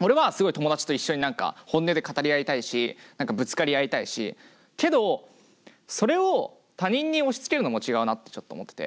俺はすごい友達と一緒に何か本音で語り合いたいしぶつかり合いたいしけどそれを他人に押しつけるのも違うなってちょっと思ってて。